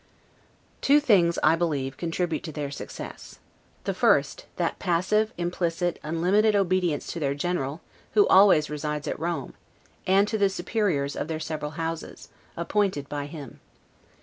Two things, I believe, contribute to their success. The first, that passive, implicit, unlimited obedience to their General (who always resides at Rome), and to the superiors of their several houses, appointed by him.